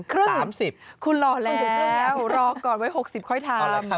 คุณหล่อแล้วรอก่อนไว้๖๐ค่อยทำ